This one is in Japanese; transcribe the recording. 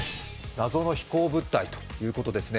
謎の飛行物体ということですね。